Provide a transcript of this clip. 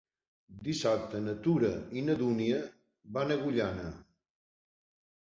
Dissabte na Tura i na Dúnia van a Agullana.